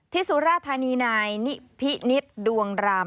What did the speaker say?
สุราธานีนายนิพินิษฐ์ดวงราม